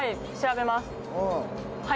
はい。